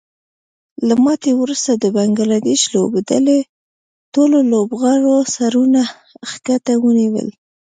له ماتې وروسته د بنګلادیش لوبډلې ټولو لوبغاړو سرونه ښکته ونیول